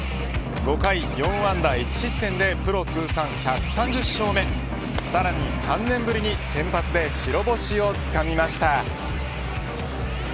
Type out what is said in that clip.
５回を４安打１失点でプロ通算１３０勝目さらに３年ぶりに先発で白星をつかみました。